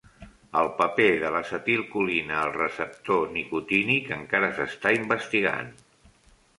El paper de l'acetilcolina al receptor nicotínic encara s'està investigant.